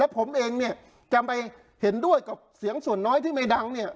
ผมเองเนี่ยจะไปเห็นด้วยกับเสียงส่วนน้อยที่ไม่ดัง